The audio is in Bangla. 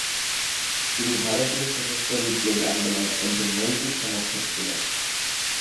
তিনি ভারতীয় সশস্ত্র বিপ্লবী আন্দোলনের একজন নৈতিক সমর্থক ছিলেন।